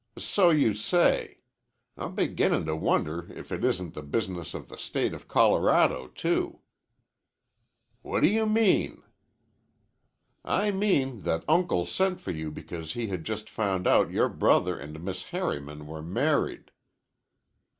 "So you say. I'm beginnin' to wonder if it isn't the business of the State of Colorado, too." "What do you mean?" "I mean that Uncle sent for you because he had just found out your brother and Miss Harriman were married."